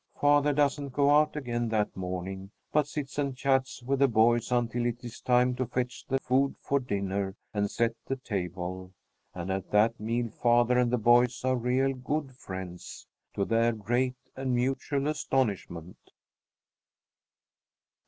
Father doesn't go out again that morning, but sits and chats with the boys until it is time to fetch the food for dinner and set the table. And at that meal father and the boys are real good friends, to their great and mutual astonishment.